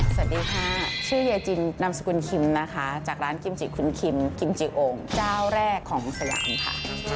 สวัสดีค่ะชื่อเฮีนนามสกุลคิมนะคะจากร้านกิมจิคุณคิมกิมจิโอ่งเจ้าแรกของสยามค่ะ